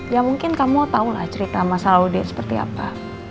ya mungkin kamu tau lah cerita mas aludin seperti apa